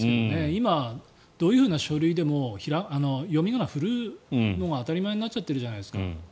今、どういう書類でも読み仮名振るのが当たり前になっちゃっているじゃないですか。